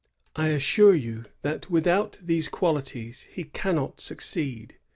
I assure you that without these qualities he cannot succeed.